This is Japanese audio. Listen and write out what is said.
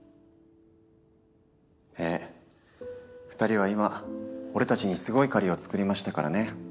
ええ二人は今俺たちにすごい借りをつくりましたからね。